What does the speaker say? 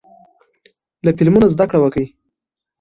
له فلمونو زده کړه وکړئ.